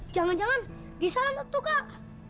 jangan jangan di sana tuh kak